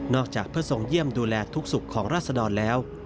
นอกจากเพื่อส่งเยี่ยมดูแลทุกข์สุขของรัษรดรแล้ว